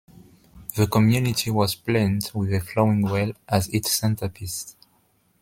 The community was planned with a flowing well as its centerpiece.